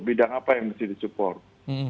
bidang apa yang mesti disupport